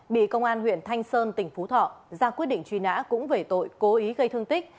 bị công an huyện thanh sơn tỉnh phú thọ ra quyết định truy nã cũng về tội cố ý gây thương tích